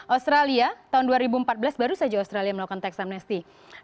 australia tahun dua ribu empat belas baru saja australia melakukan tax amnesty